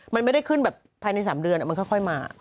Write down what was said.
มันไม่ได้ขึ้นแบบภายใน๓เดือนมันค่อยมา